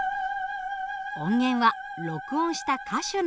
音源は録音した歌手の声。